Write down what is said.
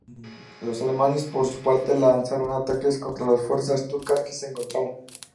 Los alemanes, por su parte, lanzaron ataques contra las fuerzas turcas que se encontraban.